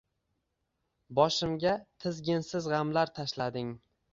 Boshimga tizginsiz g‘amlar tashlading –